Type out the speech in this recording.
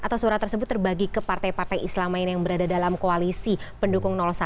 atau surat tersebut terbagi ke partai partai islam lain yang berada dalam koalisi pendukung satu